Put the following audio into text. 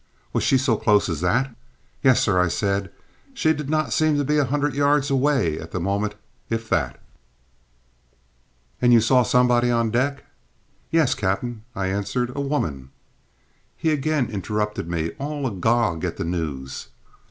"Was she so close as that?" "Yes, sir," said I. "She did not seem to be a hundred yards away at the moment, if that." "And you saw somebody on the deck?" "Yes, cap'en," I answered; "a woman." He again interrupted me, all agog at the news.